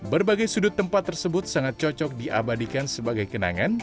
berbagai sudut tempat tersebut sangat cocok diabadikan sebagai kenangan